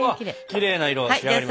きれいな色に仕上がりました。